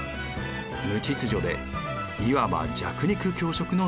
無秩序でいわば弱肉強食の世界。